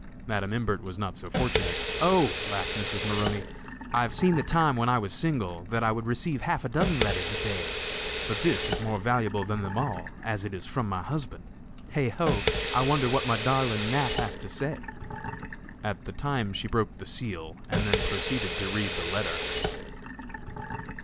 Madam Imbert was not so fortunate. "Oh!" laughed Mrs. Maroney, "I have seen the time, when I was single, that I would receive half a dozen letters a day; but this is more valuable than them all, as it is from my husband. Heigh ho! I wonder what my darling Nat. has to say." At the same time she broke the seal, and then proceeded to read the letter.